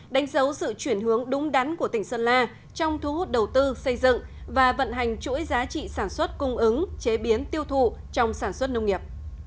đánh dấu sự chuyển hướng đúng đắn của tỉnh sơn la trong thu hút đầu tư xây dựng và vận hành chuỗi giá trị sản xuất cung ứng chế biến tiêu thụ trong sản xuất nông nghiệp